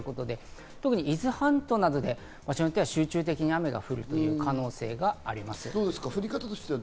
特に伊豆半島などで場所によっては集中的に雨が降る可能性があります。